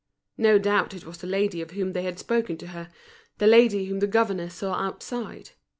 No doubt it was the lady of whom they had spoken to her, the lady whom the governor saw outside.